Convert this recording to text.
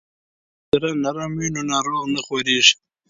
که بستر نرم وي نو ناروغ نه ځورېږي.